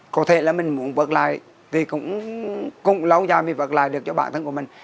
có thể là mình muốn vượt lại thì cũng lâu dài mới vớt lại được cho bản thân của mình